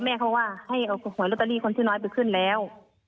แม่เขาว่าให้เอาหวยลอตเตอรี่คนชื่อน้อยไปขึ้นแล้ว